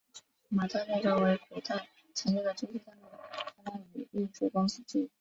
马战车为古代常见的军事战斗车辆与运输工具。